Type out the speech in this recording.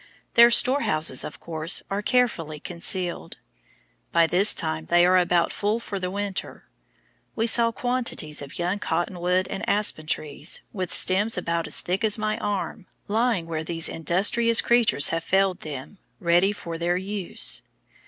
Their storehouses, of course, are carefully concealed. By this time they are about full for the winter. We saw quantities of young cotton wood and aspen trees, with stems about as thick as my arm, lying where these industrious creatures have felled them ready for their use.